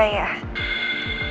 pasti kamu lagi pusing ya